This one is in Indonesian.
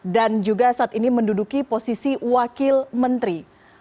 dan juga saat ini menduduki posisi wakil menteri